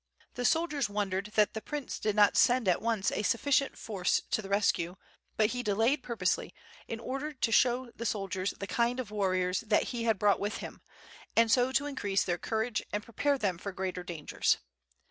The soldiers wondered that the Prince did not send at once a sufficient force to the rescue; but he delayed purposely in order to show the soldiers the kind of warriors that he had brought with him, and so to increase their courage and prepare them for greater dangers.